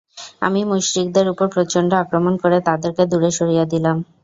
আমি মুশরিকদের উপর প্রচণ্ড আক্রমণ করে তাদেরকে দূরে সরিয়ে দিলাম।